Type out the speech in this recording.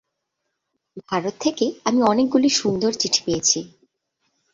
ভারত থেকে আমি অনেকগুলি সুন্দর চিঠি পেয়েছি।